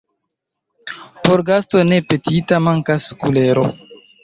Por gasto ne petita mankas kulero.